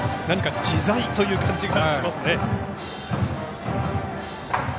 何か自在という感じがしますね。